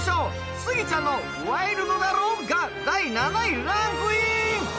スギちゃんの「ワイルドだろぉ」が第７位にランクイン。